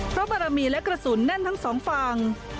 บารมีและกระสุนแน่นทั้งสองฝั่ง